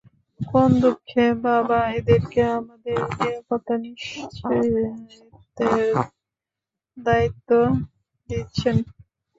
কোন দুঃখে বাবা এদেরকে আমাদের নিরাপত্তা নিশ্চিতের দায়িত্ব দিচ্ছেন?